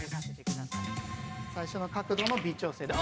最初の角度の微調整で。